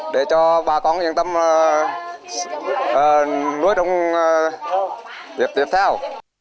để cho bà con yên tâm nuôi đông tiếp theo